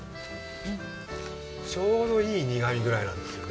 ちょうどいい苦みぐらいなんですよね。